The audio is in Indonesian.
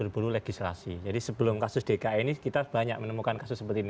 banyak yang menemukan kasus seperti ini